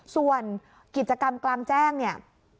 ส่วนกิจกรรมกลางแจ้งเนี่ย